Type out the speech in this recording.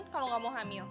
kalo gak mau hamil